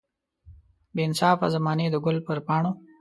بې انصافه زمانې د ګل پر پاڼو.